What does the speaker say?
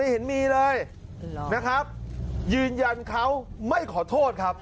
เห็นมีเลยนะครับยืนยันเขาไม่ขอโทษครับ